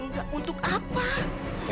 enggak untuk apa